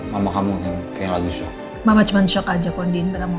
mama kamu yang kayak lagi mama cuman shock aja kondiin beramu kaya